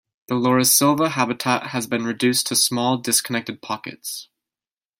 The laurisilva habitat has been reduced to small disconnected pockets.